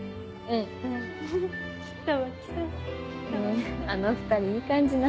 へぇあの２人いい感じなんだ。